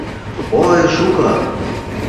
— Ой, шуко.